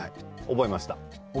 覚えました？